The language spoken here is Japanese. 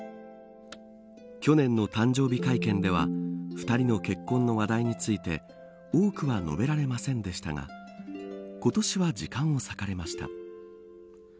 去年の誕生日会見では２人の結婚の話題について多くは述べられませんでしたが今年は、時間を割かれました。